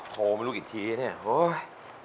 โทรไปกี่ทีนี่